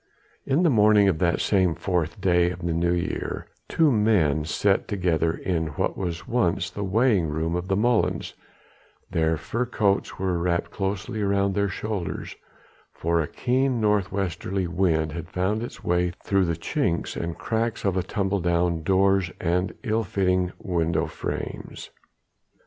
In the morning of that same fourth day in the New Year, two men sat together in what was once the weighing room of the molens; their fur coats were wrapped closely round their shoulders, for a keen north westerly wind had found its way through the chinks and cracks of tumble down doors and ill fitting window frames.